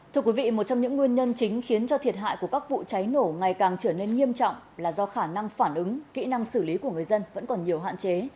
thưa quý vị một trong những nguyên nhân chính khiến cho thiệt hại của các vụ cháy nổ ngày càng trở nên nghiêm trọng là do khả năng phản ứng kỹ năng xử lý của người dân vẫn còn nhiều hạn chế